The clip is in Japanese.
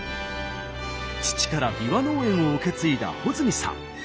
父からびわ農園を受け継いだ穂積さん。